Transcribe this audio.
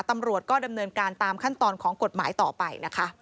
ตำรวจก็ดำเนินการตามขั้นตอนของกฎหมายต่อไปนะคะ